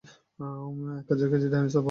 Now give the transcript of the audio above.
এক হাজার কেজির ডাইনোসর পালের্মো নিয়ে যাবে।